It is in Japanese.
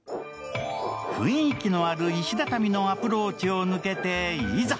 雰囲気のある石畳のアプローチを抜けて、いざ。